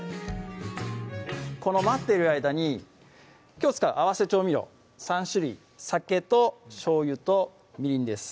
この待っている間にきょう使う合わせ調味料３種類酒としょうゆとみりんです